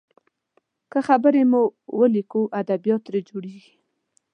که خبرې مو وليکو، ادبيات ترې جوړیږي.